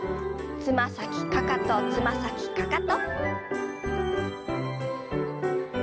つま先かかとつま先かかと。